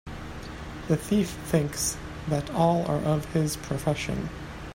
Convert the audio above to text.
The thief thinks that all are of his profession.